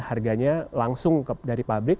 harganya langsung dari pabrik